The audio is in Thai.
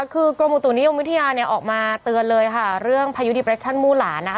คือกรมอุตุนิยมวิทยาเนี่ยออกมาเตือนเลยค่ะเรื่องพายุดิเรชั่นมู่หลานนะคะ